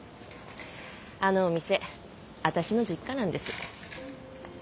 あのお店私の実家なんです。